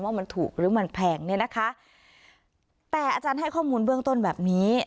ว่ามันถูกหรือมันแพงเนี่ยนะคะแต่อาจารย์ให้ข้อมูลเบื้องต้นแบบนี้